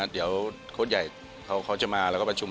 เดี๋ยวโค้ดใหญ่เขาจะมาแล้วก็ประชุม